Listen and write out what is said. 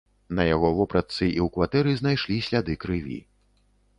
На яго вопратцы і ў кватэры знайшлі сляды крыві.